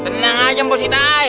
tenang aja mpos itai